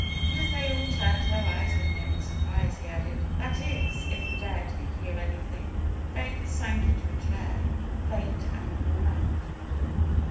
And as they all turned their eyes on him in surprise he added: ^^That is, if the dead can hear anything." Faith sank into a chair, faint and worn out.